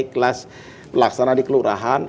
kelas pelaksanaan di kelurahan